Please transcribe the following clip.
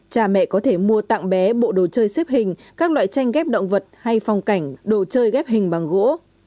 cha mẹ có thể mua tặng bé bộ đồ chơi xếp hình các loại tranh ghép động vật hay phong cảnh đồ chơi ghép hình bằng gỗ